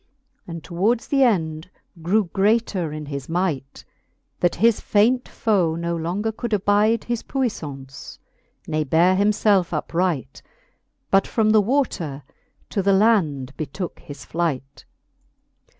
And towards th'end grew greater in his might, That his faint foe no longer could abide His puiflance, ne beare him felfe upright. But from the water to the land betooke his flight.